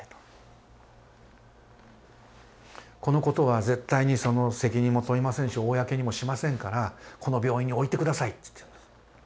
「このことは絶対に責任も問いませんし公にもしませんからこの病院に置いて下さい」って。